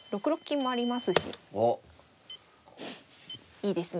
いいですね。